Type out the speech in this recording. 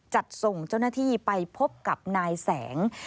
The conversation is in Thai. จัดส่งเจ้าหน้าที่ไปพบกับนายแสง